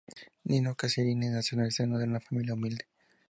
Nino Cesarini nació en el seno de una familia humilde.